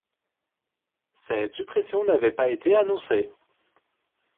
Cette suppression n'avait pas été annoncée.